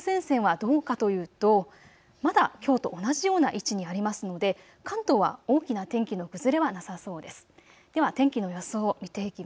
あしたはこの梅雨前線はどうかというと、まだきょうと同じような位置にありますので関東は大きな天気の崩れはなさそうです。